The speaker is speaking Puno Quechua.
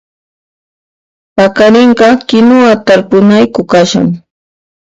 Paqarinqa kinuwa tarpunayku kashan